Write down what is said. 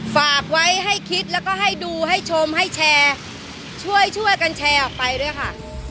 ฝากไว้ให้คิดแล้วก็ให้ดูให้ชมให้แชร์ช่วยช่วยกันแชร์ออกไปด้วยค่ะ